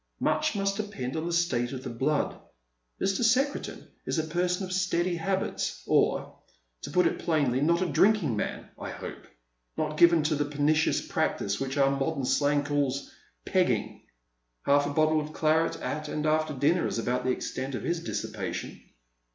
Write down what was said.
Much must depend on the state of the blood. Mr. Secretan is a person of steady habits — or, to put it plainly, not a drinking man, I hope ;— not given to the pernici ous practice which our modern slang calls 'pegging? '"" Half a bottle of claret at and after dinner is about the extent of his dissipation."